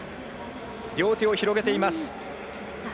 両手を広げています。